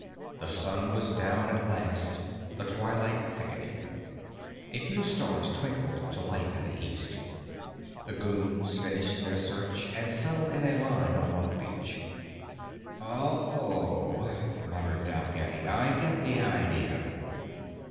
The sun was down at last, the twilight thickening. A few stars twinkled to life in the east. The goons finished their search and settled in a line along the beach. "Oh oh," muttered Dalgetty. "I get the idea.